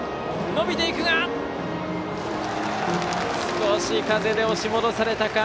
少し風で押し戻されたか。